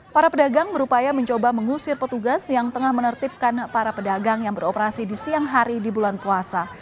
para pedagang berupaya mencoba mengusir petugas yang tengah menertibkan para pedagang yang beroperasi di siang hari di bulan puasa